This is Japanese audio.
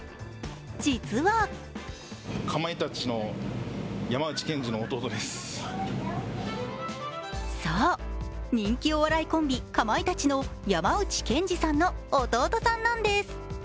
実はそう、人気お笑いコンビかまいたちの山内健司さんの弟さんなんです。